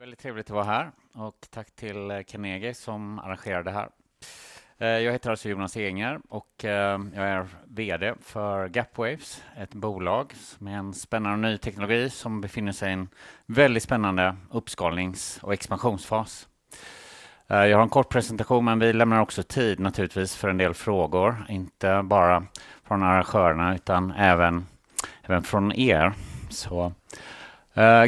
Väldigt trevligt att vara här, och tack till Carnegie som arrangerar det här. Jag heter alltså Jonas Ehinger, och jag är VD för Gapwaves, ett bolag med en spännande ny teknologi som befinner sig i en väldigt spännande uppskalnings- och expansionsfas. Jag har en kort presentation, men vi lämnar också tid, naturligtvis, för en del frågor, inte bara från arrangörerna utan även från publiken.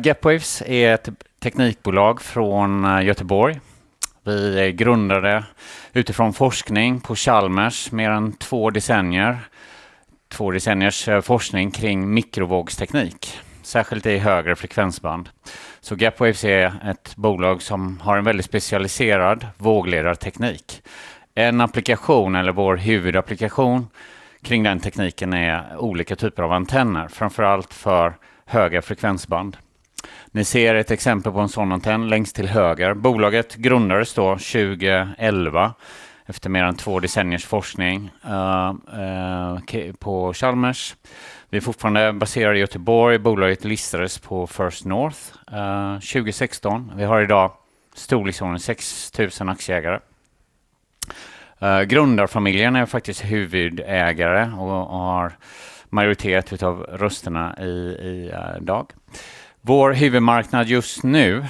Gapwaves är ett teknikbolag från Göteborg. Vi är grundade utifrån forskning på Chalmers mer än två decennier, två decenniers forskning kring mikrovågsteknik, särskilt i högre frekvensband. Så Gapwaves är ett bolag som har en väldigt specialiserad vågledarteknik. En applikation, eller vår huvudapplikation kring den tekniken, är olika typer av antenner, framför allt för höga frekvensband. Ni ser ett exempel på en sådan antenn längst till höger. Bolaget grundades då 2011, efter mer än två decenniers forskning på Chalmers. Vi är fortfarande baserade i Göteborg. Bolaget listades på First North 2016. Vi har idag storleksordning 6,000 aktieägare. Grundarfamiljen är faktiskt huvudägare och har majoritet av rösterna idag. Vår huvudmarknad just nu,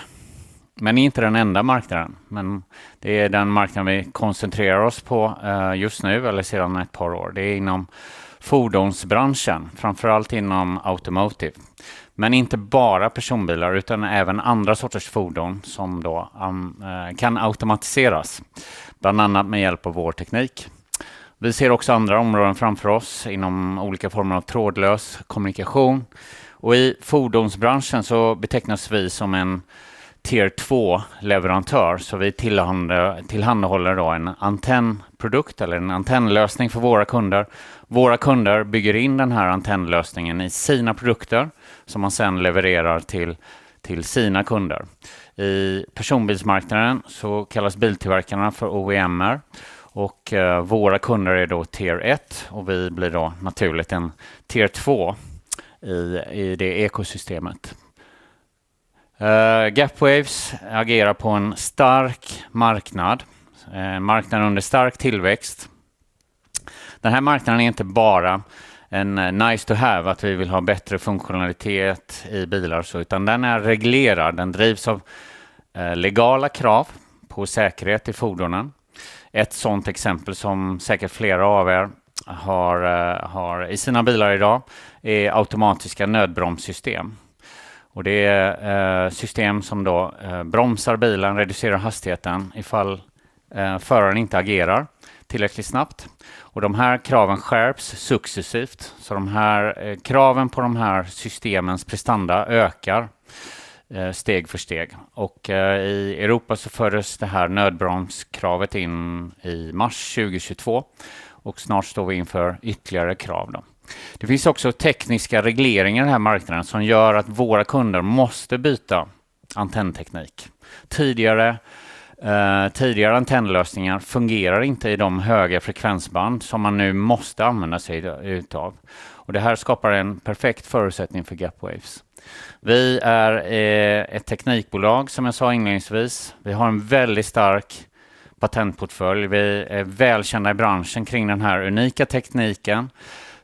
men inte den enda marknaden, men det är den marknad vi koncentrerar oss på just nu, eller sedan ett par år. Det är inom fordonsbranschen, framför allt inom automotive. Men inte bara personbilar, utan även andra sorters fordon som då kan automatiseras, bland annat med hjälp av vår teknik. Vi ser också andra områden framför oss inom olika former av trådlös kommunikation. I fordonsbranschen så betecknas vi som en tier 2-leverantör, så vi tillhandahåller en antennprodukt eller en antennlösning för våra kunder. Våra kunder bygger in den här antennlösningen i sina produkter som man sedan levererar till sina kunder. I personbilsmarknaden så kallas biltillverkarna för OEM:er, och våra kunder är då tier 1, och vi blir då naturligt en tier 2 i det ekosystemet. Gapwaves agerar på en stark marknad, marknad under stark tillväxt. Den här marknaden är inte bara en nice to have, att vi vill ha bättre funktionalitet i bilar, utan den är reglerad. Den drivs av legala krav på säkerhet i fordonen. Ett sådant exempel som säkert flera av er har i sina bilar idag är automatiska nödbromssystem. Det är system som då bromsar bilen, reducerar hastigheten ifall föraren inte agerar tillräckligt snabbt. De här kraven skärps successivt, så kraven på de här systemens prestanda ökar steg för steg. I Europa så fördes det här nödbromskravet in i mars 2022, och snart står vi inför ytterligare krav. Det finns också tekniska regleringar i den här marknaden som gör att våra kunder måste byta antennteknik. Tidigare antennlösningar fungerar inte i de höga frekvensband som man nu måste använda sig av. Det här skapar en perfekt förutsättning för Gapwaves. Vi är ett teknikbolag, som jag sa inledningsvis. Vi har en väldigt stark patentportfölj. Vi är välkända i branschen kring den här unika tekniken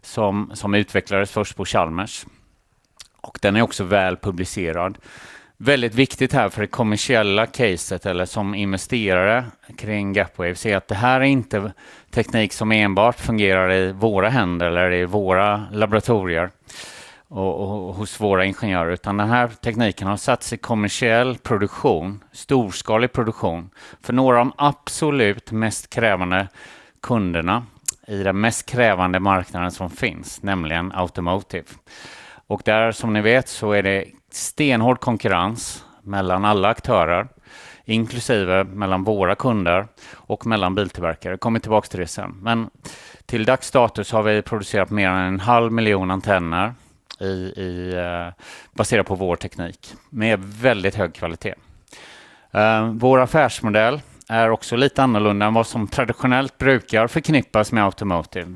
som utvecklades först på Chalmers. Den är också väl publicerad. Väldigt viktigt här för det kommersiella caset, eller som investerare kring Gapwaves, är att det här är inte teknik som enbart fungerar i våra händer eller i våra laboratorier och hos våra ingenjörer, utan den här tekniken har satts i kommersiell produktion, storskalig produktion, för några av de absolut mest krävande kunderna i den mest krävande marknaden som finns, nämligen automotive. Där, som ni vet, så är det stenhård konkurrens mellan alla aktörer, inklusive mellan våra kunder och mellan biltillverkare. Jag kommer tillbaka till det sen. Men till dags datum så har vi producerat mer än en halv miljon antenner baserat på vår teknik med väldigt hög kvalitet. Vår affärsmodell är också lite annorlunda än vad som traditionellt brukar förknippas med automotive.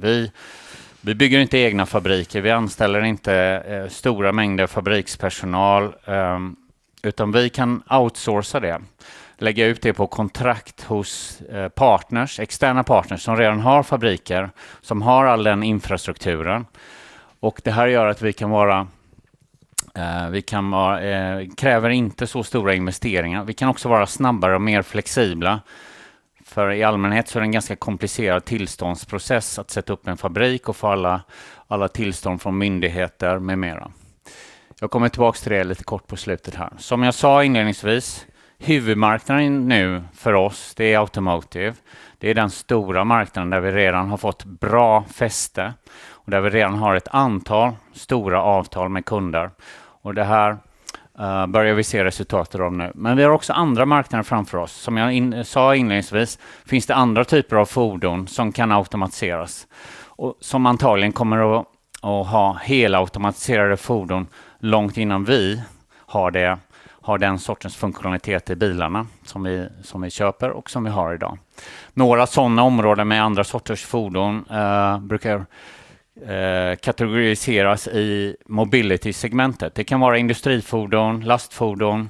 Vi bygger inte egna fabriker. Vi anställer inte stora mängder fabrikspersonal, utan vi kan outsourca det, lägga ut det på kontrakt hos externa partners som redan har fabriker, som har all den infrastrukturen. Det här gör att vi kan vara, vi kräver inte så stora investeringar. Vi kan också vara snabbare och mer flexibla, för i allmänhet så är det en ganska komplicerad tillståndsprocess att sätta upp en fabrik och få alla tillstånd från myndigheter med mera. Jag kommer tillbaka till det lite kort på slutet här. Som jag sa inledningsvis, huvudmarknaden nu för oss, det är automotive. Det är den stora marknaden där vi redan har fått bra fäste och där vi redan har ett antal stora avtal med kunder. Det här börjar vi se resultatet av nu. Men vi har också andra marknader framför oss. Som jag sa inledningsvis finns det andra typer av fordon som kan automatiseras och som antagligen kommer att ha helautomatiserade fordon långt innan vi har den sortens funktionalitet i bilarna som vi köper och som vi har idag. Några sådana områden med andra sorters fordon brukar kategoriseras i mobility-segmentet. Det kan vara industrifordon, lastfordon,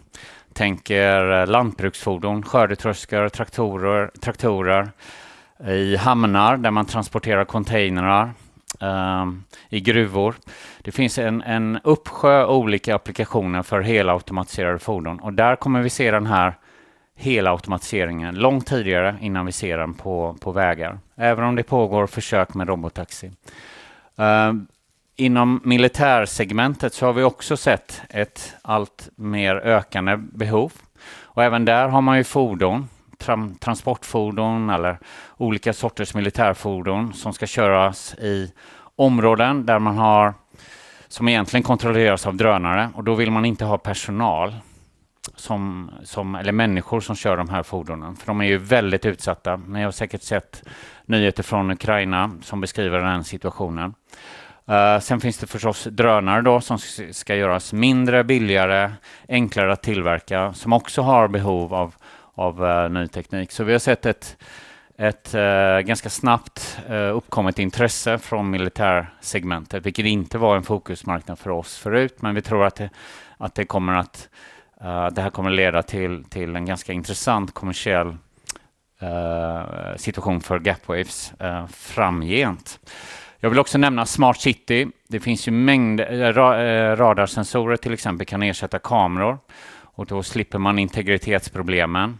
tänker lantbruksfordon, skördetröskor, traktorer, i hamnar där man transporterar containrar, i gruvor. Det finns en uppsjö av olika applikationer för helautomatiserade fordon. Där kommer vi se den här helautomatiseringen långt tidigare innan vi ser den på vägar, även om det pågår försök med robotaxi. Inom militärsegmentet så har vi också sett ett allt mer ökande behov. Även där har man ju fordon, transportfordon eller olika sorters militärfordon som ska köras i områden där man har som egentligen kontrolleras av drönare. Då vill man inte ha personal eller människor som kör de här fordonen, för de är ju väldigt utsatta. Ni har säkert sett nyheter från Ukraina som beskriver den situationen. Sen finns det förstås drönare som ska göras mindre, billigare, enklare att tillverka, som också har behov av ny teknik. Så vi har sett ett ganska snabbt uppkommet intresse från militärsegmentet, vilket inte var en fokusmarknad för oss förut, men vi tror att det kommer att det här kommer att leda till en ganska intressant kommersiell situation för Gapwaves framgent. Jag vill också nämna smart city. Det finns ju mängder radarsensorer, till exempel kan ersätta kameror, och då slipper man integritetsproblemen.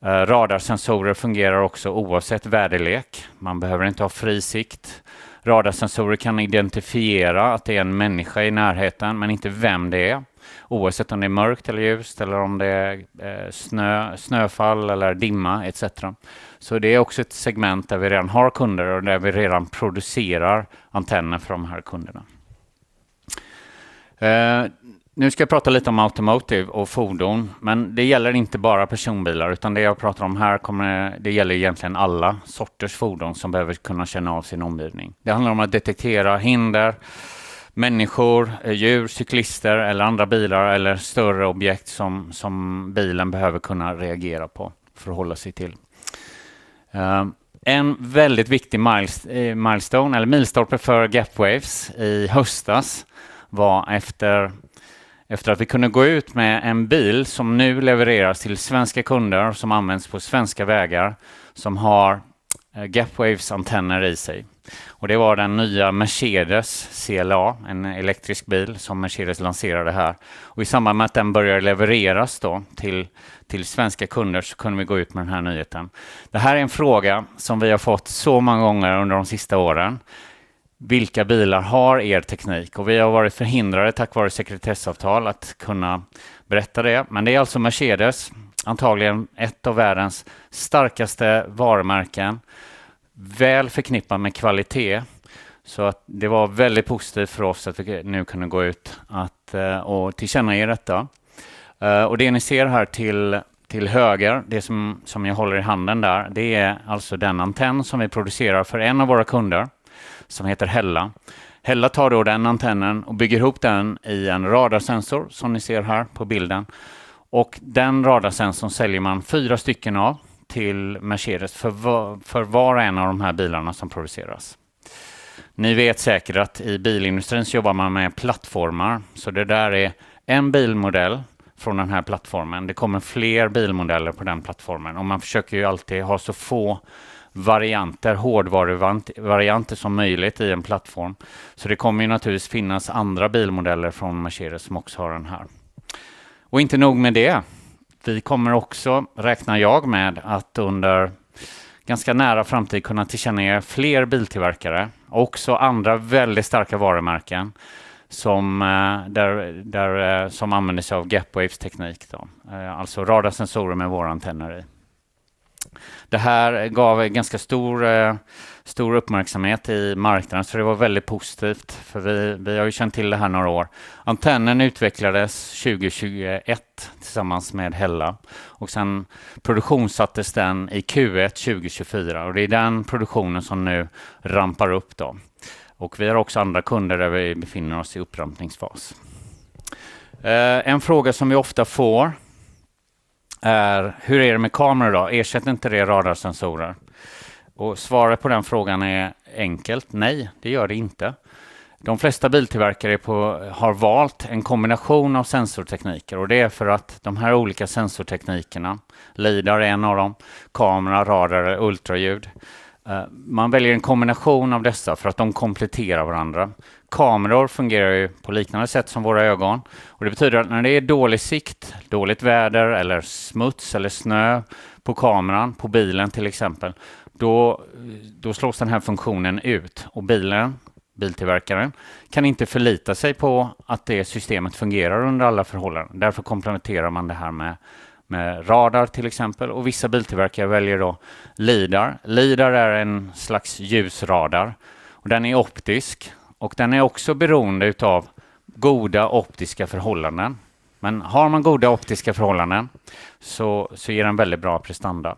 Radarsensorer fungerar också oavsett väderlek. Man behöver inte ha fri sikt. Radarsensorer kan identifiera att det är en människa i närheten, men inte vem det är, oavsett om det är mörkt eller ljust, eller om det är snöfall eller dimma, etc. Det är också ett segment där vi redan har kunder och där vi redan producerar antenner för de här kunderna. Nu ska jag prata lite om automotive och fordon, men det gäller inte bara personbilar, utan det jag pratar om här kommer att gälla egentligen alla sorters fordon som behöver kunna känna av sin omgivning. Det handlar om att detektera hinder, människor, djur, cyklister eller andra bilar eller större objekt som bilen behöver kunna reagera på för att hålla sig till. En väldigt viktig milestone eller milstolpe för Gapwaves i höstas var efter att vi kunde gå ut med en bil som nu levereras till svenska kunder som används på svenska vägar, som har Gapwaves-antenner i sig. Det var den nya Mercedes CLA, en elektrisk bil som Mercedes lanserade här. I samband med att den började levereras till svenska kunder så kunde vi gå ut med den här nyheten. Det här är en fråga som vi har fått så många gånger under de sista åren. Vilka bilar har teknik? Vi har varit förhindrade tack vare sekretessavtal att kunna berätta det. Men det är alltså Mercedes, antagligen ett av världens starkaste varumärken, väl förknippat med kvalitet. Så det var väldigt positivt för oss att vi nu kunde gå ut och tillkännage detta. Det ni ser här till höger, det som jag håller i handen där, det är alltså den antenn som vi producerar för en av våra kunder som heter Hella. Hella tar då den antennen och bygger ihop den i en radarsensor som ni ser här på bilden. Den radarsensorn säljer man fyra stycken av till Mercedes för var och en av de här bilarna som produceras. Ni vet säkert att i bilindustrin så jobbar man med plattformar. Så det där är en bilmodell från den här plattformen. Det kommer fler bilmodeller på den plattformen. Man försöker ju alltid ha så få hårdvaruvarianter som möjligt i en plattform. Så det kommer naturligtvis finnas andra bilmodeller från Mercedes som också har den här. Inte nog med det. Vi kommer också, räknar jag med, att under ganska nära framtid kunna tillkännage fler biltillverkare och också andra väldigt starka varumärken som använder sig av Gapwaves-teknik, alltså radarsensorer med våra antenner i. Det här gav ganska stor uppmärksamhet i marknaden, så det var väldigt positivt, för vi har ju känt till det här några år. Antennen utvecklades 2021 tillsammans med Hella, och sen produktionssattes den i Q1 2024. Det är den produktionen som nu rampar upp. Vi har också andra kunder där vi befinner oss i upprampningsfas. En fråga som vi ofta får är: Hur är det med kameror då? Ersätter inte det radarsensorer? Svaret på den frågan är enkelt: Nej, det gör det inte. De flesta biltillverkare har valt en kombination av sensortekniker, och det är för att de här olika sensorteknikerna, LIDAR är en av dem, kamera, radar, ultraljud. Man väljer en kombination av dessa för att de kompletterar varandra. Kameror fungerar ju på liknande sätt som våra ögon. Det betyder att när det är dålig sikt, dåligt väder eller smuts eller snö på kameran, på bilen till exempel, då slås den här funktionen ut, och bilen, biltillverkaren, kan inte förlita sig på att det systemet fungerar under alla förhållanden. Därför kompletterar man det här med radar till exempel, och vissa biltillverkare väljer då LIDAR. LIDAR är en slags ljusradar. Den är optisk, och den är också beroende av goda optiska förhållanden. Men har man goda optiska förhållanden så ger den väldigt bra prestanda.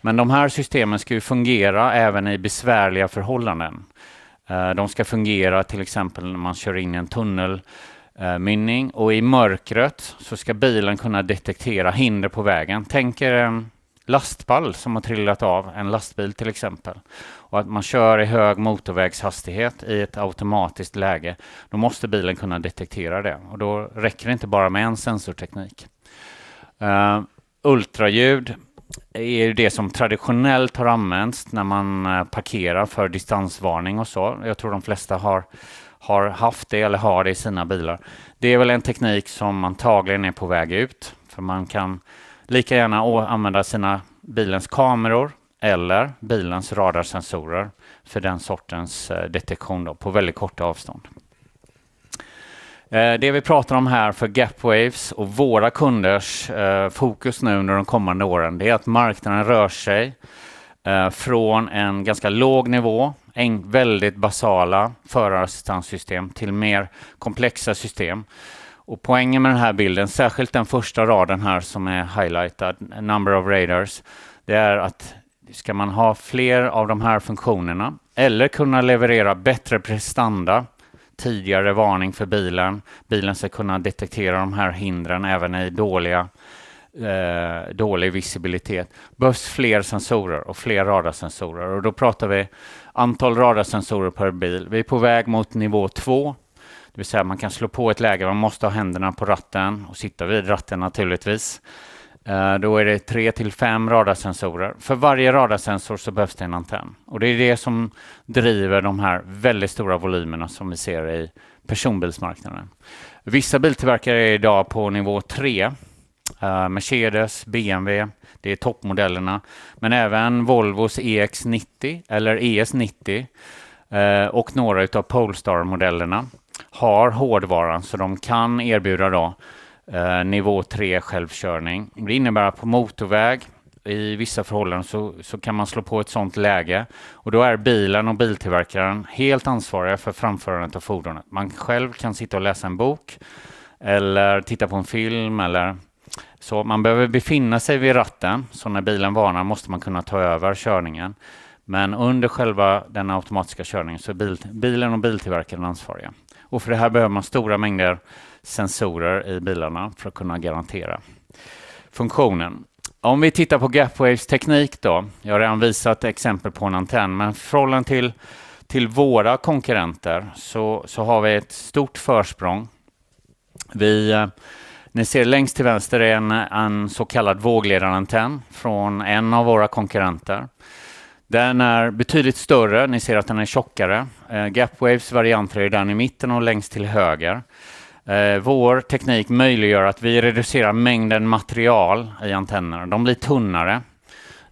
Men de här systemen ska ju fungera även i besvärliga förhållanden. De ska fungera till exempel när man kör in i en tunnelmynning, och i mörkret så ska bilen kunna detektera hinder på vägen. Tänk en lastpall som har trillat av en lastbil till exempel, och att man kör i hög motorvägshastighet i ett automatiskt läge. Då måste bilen kunna detektera det, och då räcker det inte bara med en sensorteknik. Ultraljud är ju det som traditionellt har använts när man parkerar för distansvarning och så. Jag tror de flesta har haft det eller har det i sina bilar. Det är väl en teknik som antagligen är på väg ut, för man kan lika gärna använda sina bils kameror eller bilens radarsensorer för den sortens detektion på väldigt kort avstånd. Det vi pratar om här för Gapwaves och våra kunders fokus nu under de kommande åren, det är att marknaden rör sig från en ganska låg nivå, väldigt basala förarassistanssystem till mer komplexa system. Poängen med den här bilden, särskilt den första raden här som är highlightad, number of radars, det är att ska man ha fler av de här funktionerna eller kunna leverera bättre prestanda, tidigare varning för bilen, bilen ska kunna detektera de här hindren även i dålig visibilitet, behövs fler sensorer och fler radarsensorer. Då pratar vi antal radarsensorer per bil. Vi är på väg mot nivå två, det vill säga att man kan slå på ett läge, man måste ha händerna på ratten och sitta vid ratten naturligtvis. Då är det tre till fem radarsensorer. För varje radarsensor så behövs det en antenn. Det är det som driver de här väldigt stora volymerna som vi ser i personbilsmarknaden. Vissa biltillverkare är idag på nivå tre. Mercedes, BMW, det är toppmodellerna, men även Volvos EX90 eller ES90 och några av Polestar-modellerna har hårdvaran så de kan erbjuda då nivå tre självkörning. Det innebär att på motorväg, i vissa förhållanden, så kan man slå på ett sådant läge, och då är bilen och biltillverkaren helt ansvariga för framförandet av fordonet. Man själv kan sitta och läsa en bok eller titta på en film eller så. Man behöver befinna sig vid ratten, så när bilen varnar måste man kunna ta över körningen. Men under själva den automatiska körningen så är bilen och biltillverkaren ansvariga. För det här behöver man stora mängder sensorer i bilarna för att kunna garantera funktionen. Om vi tittar på Gapwaves teknik då, jag har redan visat exempel på en antenn, men i förhållande till våra konkurrenter så har vi ett stort försprång. Ni ser längst till vänster är en så kallad vågledarantenn från en av våra konkurrenter. Den är betydligt större, ni ser att den är tjockare. Gapwaves varianter är den i mitten och längst till höger. Vår teknik möjliggör att vi reducerar mängden material i antennerna. De blir tunnare.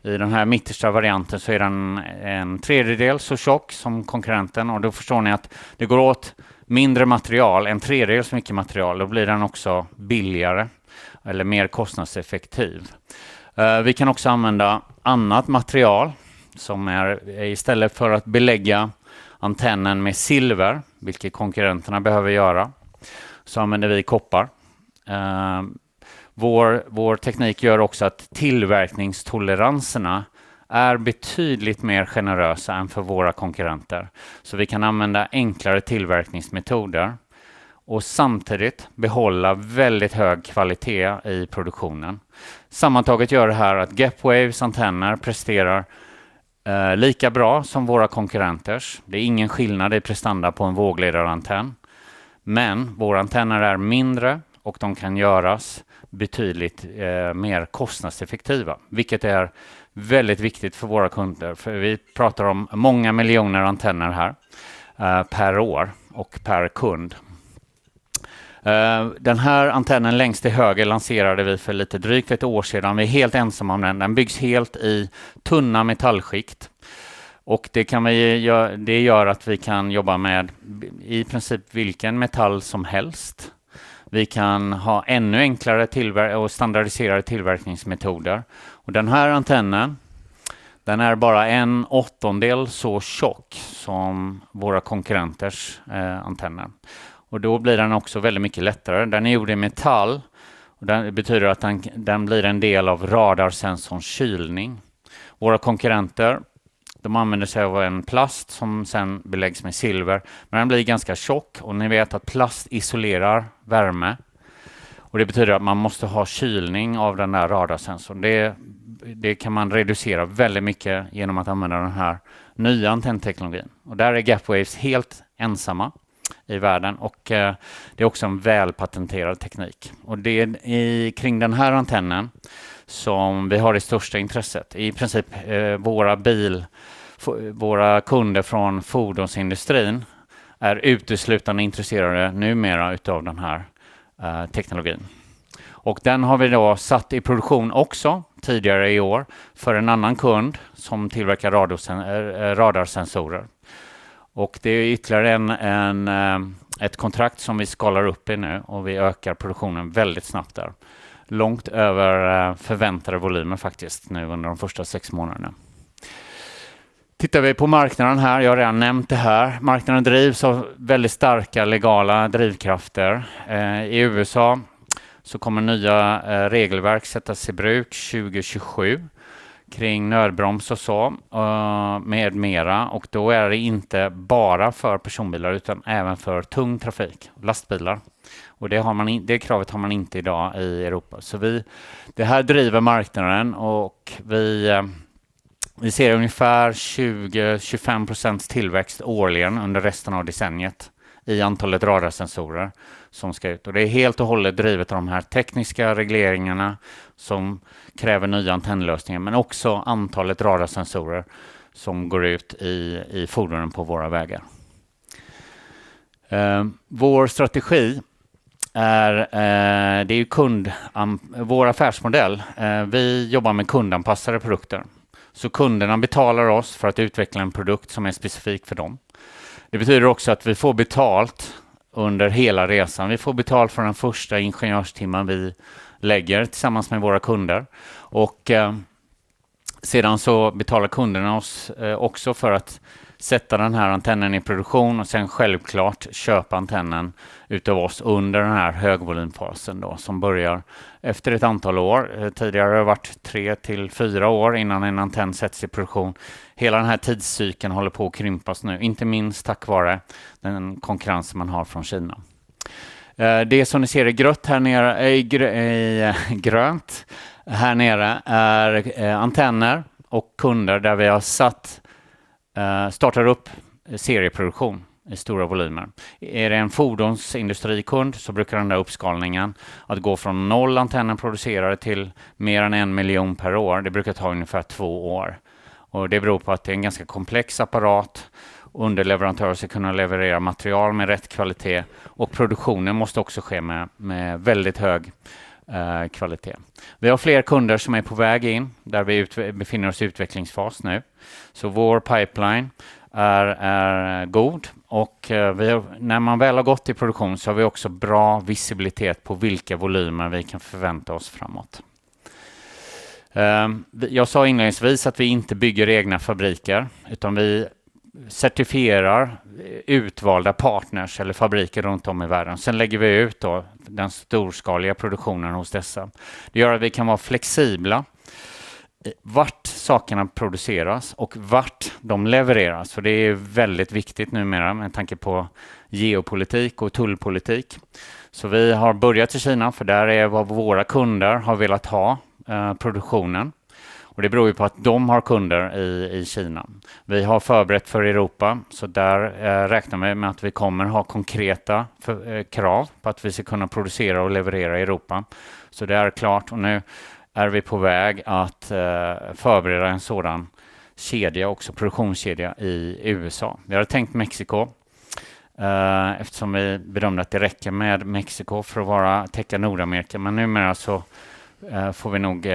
I den här mittersta varianten så är den en tredjedel så tjock som konkurrenten, och då förstår ni att det går åt mindre material, en tredjedel så mycket material, då blir den också billigare eller mer kostnadseffektiv. Vi kan också använda annat material. Som är istället för att belägga antennen med silver, vilket konkurrenterna behöver göra, så använder vi koppar. Vår teknik gör också att tillverkningstoleranserna är betydligt mer generösa än för våra konkurrenter. Så vi kan använda enklare tillverkningsmetoder och samtidigt behålla väldigt hög kvalitet i produktionen. Sammantaget gör det här att Gapwaves antenner presterar lika bra som våra konkurrenters. Det är ingen skillnad i prestanda på en vågledarantenn, men våra antenner är mindre och de kan göras betydligt mer kostnadseffektiva, vilket är väldigt viktigt för våra kunder, för vi pratar om många miljoner antenner här per år och per kund. Den här antennen längst till höger lanserade vi för lite drygt ett år sedan. Vi är helt ensamma om den. Den byggs helt i tunna metallskikt, och det kan vi göra det gör att vi kan jobba med i princip vilken metall som helst. Vi kan ha ännu enklare och standardiserade tillverkningsmetoder. Den här antennen, den är bara en åttondel så tjock som våra konkurrenters antenner. Då blir den också väldigt mycket lättare. Den är gjord i metall, och det betyder att den blir en del av radarsensorns kylning. Våra konkurrenter, de använder sig av en plast som sedan beläggs med silver, men den blir ganska tjock, och ni vet att plast isolerar värme. Det betyder att man måste ha kylning av den där radarsensorn. Det kan man reducera väldigt mycket genom att använda den här nya antennteknologin. Där är Gapwaves helt ensamma i världen, och det är också en välpatenterad teknik. Det är kring den här antennen som vi har det största intresset. I princip våra kunder från fordonsindustrin är uteslutande intresserade numera av den här teknologin. Den har vi då satt i produktion också tidigare i år för en annan kund som tillverkar radarsensorer. Det är ytterligare ett kontrakt som vi skalar upp nu, och vi ökar produktionen väldigt snabbt där. Långt över förväntade volymer faktiskt nu under de första sex månaderna. Tittar vi på marknaden här, jag har redan nämnt det här. Marknaden drivs av väldigt starka legala drivkrafter. I USA så kommer nya regelverk att sättas i bruk 2027 kring nödbroms och så vidare. Då är det inte bara för personbilar utan även för tung trafik, lastbilar. Det kravet har man inte idag i Europa. Det här driver marknaden, och vi ser ungefär 20-25% tillväxt årligen under resten av decenniet i antalet radarsensorer som ska ut. Det är helt och hållet drivet av de här tekniska regleringarna som kräver nya antennlösningar, men också antalet radarsensorer som går ut i fordonen på våra vägar. Vår strategi är, det är ju vår affärsmodell. Vi jobbar med kundanpassade produkter, så kunderna betalar oss för att utveckla en produkt som är specifik för dem. Det betyder också att vi får betalt under hela resan. Vi får betalt för den första ingenjörstimmen vi lägger tillsammans med våra kunder. Sedan så betalar kunderna oss också för att sätta den här antennen i produktion och sedan självklart köpa antennen av oss under den här högvolymfasen som börjar efter ett antal år. Tidigare har det varit tre till fyra år innan en antenn sätts i produktion. Hela den här tidscykeln håller på att krympas nu, inte minst tack vare den konkurrens man har från Kina. Det som ni ser i grönt här nere är antenner och kunder där vi har startat upp serieproduktion i stora volymer. Är det en fordonsindustrikund så brukar den där uppskalningen gå från noll antennproducerare till mer än en miljon per år. Det brukar ta ungefär två år. Det beror på att det är en ganska komplex apparat. Underleverantörer ska kunna leverera material med rätt kvalitet, och produktionen måste också ske med väldigt hög kvalitet. Vi har fler kunder som är på väg in, där vi befinner oss i utvecklingsfas nu. Så vår pipeline är god, och när man väl har gått i produktion så har vi också bra visibilitet på vilka volymer vi kan förvänta oss framåt. Jag sa inledningsvis att vi inte bygger egna fabriker, utan vi certifierar utvalda partners eller fabriker runt om i världen. Sedan lägger vi ut den storskaliga produktionen hos dessa. Det gör att vi kan vara flexibla var sakerna produceras och var de levereras. För det är väldigt viktigt numera med tanke på geopolitik och tullpolitik. Så vi har börjat i Kina, för där är vad våra kunder har velat ha produktionen. Det beror ju på att de har kunder i Kina. Vi har förberett för Europa, så där räknar vi med att vi kommer att ha konkreta krav på att vi ska kunna producera och leverera i Europa. Så det är klart, och nu är vi på väg att förbereda en sådan kedja också, produktionskedja i USA. Vi har tänkt Mexiko, eftersom vi bedömde att det räcker med Mexiko för att täcka Nordamerika. Men numera så får vi nog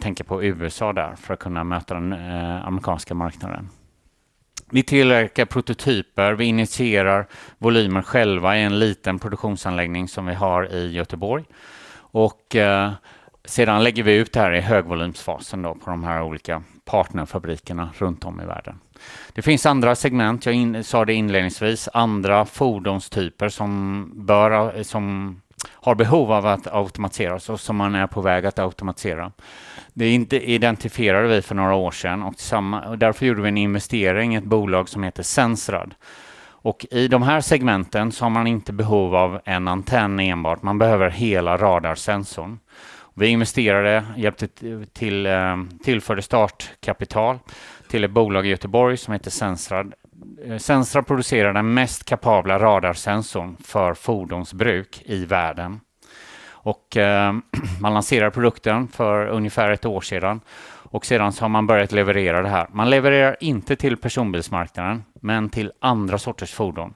tänka på USA där för att kunna möta den amerikanska marknaden. Vi tillverkar prototyper, vi initierar volymer själva i en liten produktionsanläggning som vi har i Göteborg. Sedan lägger vi ut det här i högvolymsfasen på de här olika partnerfabrikerna runt om i världen. Det finns andra segment, jag sa det inledningsvis, andra fordonstyper som har behov av att automatiseras och som man är på väg att automatisera. Det identifierade vi för några år sedan, och därför gjorde vi en investering i ett bolag som heter Sensrad. I de här segmenten så har man inte behov av en antenn enbart, man behöver hela radarsensorn. Vi investerade, hjälpte till, tillförde startkapital till ett bolag i Göteborg som heter Sensrad. Sensrad producerar den mest kapabla radarsensorn för fordonsbruk i världen. Man lanserade produkten för ungefär ett år sedan, och sedan så har man börjat leverera det här. Man levererar inte till personbilsmarknaden, men till andra sorters fordon.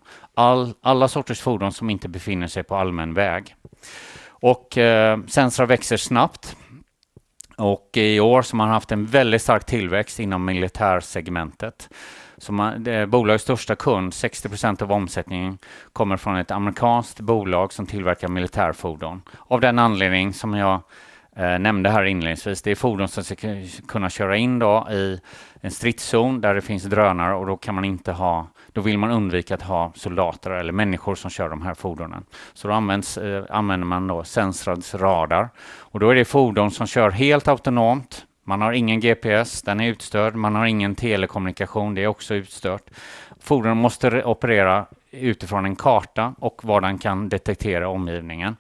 Alla sorters fordon som inte befinner sig på allmän väg. Sensrad växer snabbt, och i år har man haft en väldigt stark tillväxt inom militärsegmentet. Bolagets största kund, 60% av omsättningen, kommer från ett amerikanskt bolag som tillverkar militärfordon. Av den anledning som jag nämnde här inledningsvis, det är fordon som ska kunna köra in i en stridszon där det finns drönare, och då kan man inte ha, då vill man undvika att ha soldater eller människor som kör de här fordonen. Då använder man Sensrads radar. Då är det fordon som kör helt autonomt, man har ingen GPS, den är utstörd, man har ingen telekommunikation, det är också utstört. Fordonen måste operera utifrån en karta och vad den kan detektera i omgivningen.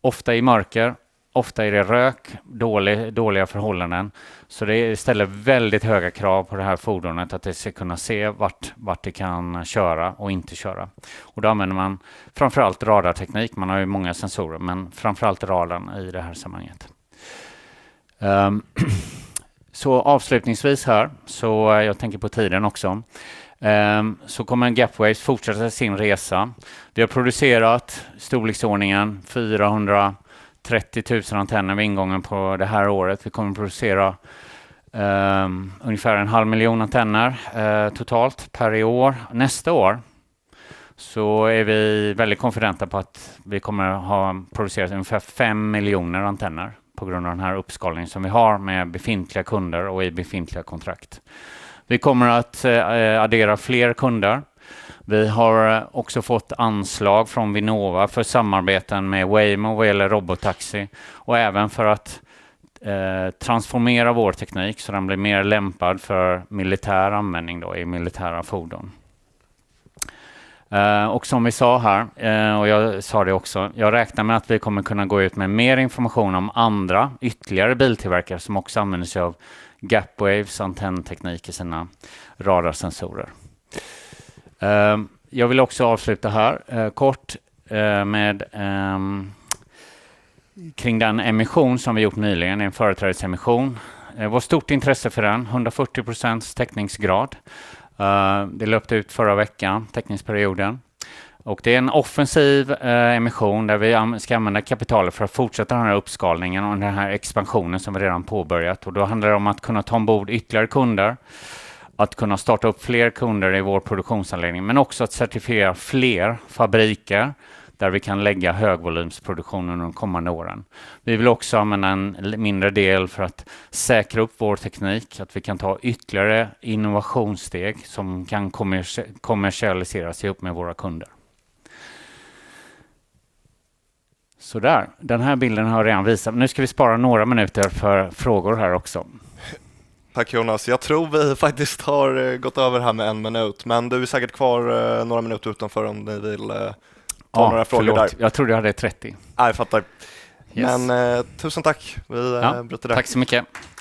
Ofta i mörker, ofta är det rök, dåliga förhållanden. Det ställer väldigt höga krav på det här fordonet att det ska kunna se vart det kan köra och inte köra. Då använder man framför allt radarteknik, man har ju många sensorer, men framför allt radarn i det här sammanhanget. Avslutningsvis här, så jag tänker på tiden också, så kommer Gapwaves fortsätta sin resa. Vi har producerat i storleksordningen 430 000 antenner vid ingången på det här året. Vi kommer att producera ungefär en halv miljon antenner totalt per år. Nästa år så är vi väldigt konfidenta på att vi kommer att ha producerat ungefär fem miljoner antenner på grund av den här uppskalningen som vi har med befintliga kunder och i befintliga kontrakt. Vi kommer att addera fler kunder. Vi har också fått anslag från Vinnova för samarbeten med Waymo vad gäller robotaxi och även för att transformera vår teknik så den blir mer lämpad för militär användning då i militära fordon. Och som vi sa här, och jag sa det också, jag räknar med att vi kommer kunna gå ut med mer information om andra, ytterligare biltillverkare som också använder sig av Gapwaves antennteknik i sina radarsensorer. Jag vill också avsluta här kort med kring den emission som vi har gjort nyligen i en företrädesemission. Vi har stort intresse för den, 140% täckningsgrad. Det löpte ut förra veckan, täckningsperioden. Det är en offensiv emission där vi ska använda kapitalet för att fortsätta den här uppskalningen och den här expansionen som vi redan påbörjat. Då handlar det om att kunna ta ombord ytterligare kunder, att kunna starta upp fler kunder i vår produktionsanläggning, men också att certifiera fler fabriker där vi kan lägga högvolymsproduktion under de kommande åren. Vi vill också använda en mindre del för att säkra upp vår teknik, att vi kan ta ytterligare innovationssteg som kan kommersialiseras ihop med våra kunder. Så där, den här bilden har jag redan visat. Nu ska vi spara några minuter för frågor här också. Tack Jonas, jag tror vi faktiskt har gått över det här med en minut, men du är säkert kvar några minuter utanför om ni vill ta några frågor där. Jag trodde jag hade 30. Jag fattar. Men tusen tack, vi bryter där. Tack så mycket.